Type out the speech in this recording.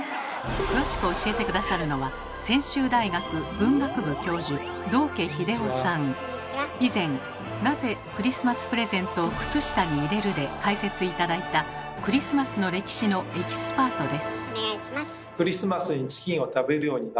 詳しく教えて下さるのは以前「なぜクリスマスプレゼントを靴下に入れる？」で解説頂いたクリスマスの歴史のエキスパートです。